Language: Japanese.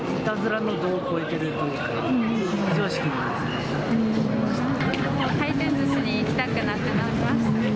もう回転ずしに行きたくなくなりますね。